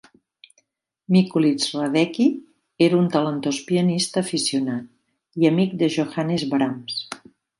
Mikulicz-Radecki era un talentós pianista aficionat i amic de Johannes Brahms.